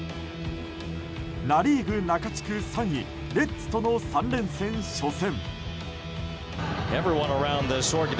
ナ・リーグ中地区３位レッズとの３連戦初戦。